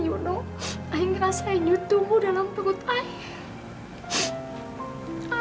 ayah ngerasa ayah nyutupu dalam perut ayah